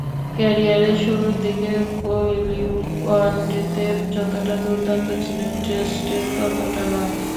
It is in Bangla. ক্যারিয়ারের শুরুর দিকে কোহলিও ওয়ানডেতে যতটা দুর্দান্ত ছিলেন, টেস্টে ততটা নয়।